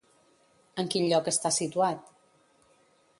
En quin lloc està situat?